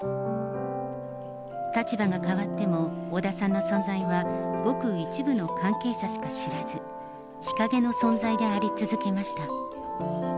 立場が変わっても、小田さんの存在は、ごく一部の関係者しか知らず、日陰の存在であり続けました。